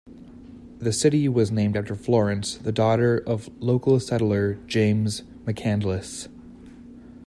The city was named after Florence, the daughter of local settler James McCandless.